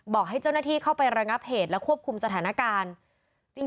บอกให้เจ้าหน้าที่เข้าไประงับเหตุและควบคุมสถานการณ์จริง